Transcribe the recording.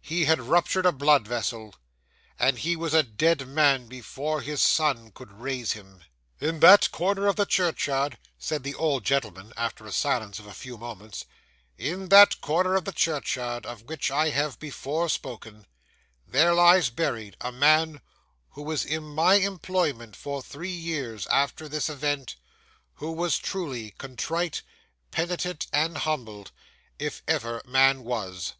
He had ruptured a blood vessel, and he was a dead man before his son could raise him. 'In that corner of the churchyard,' said the old gentleman, after a silence of a few moments, 'in that corner of the churchyard of which I have before spoken, there lies buried a man who was in my employment for three years after this event, and who was truly contrite, penitent, and humbled, if ever man was.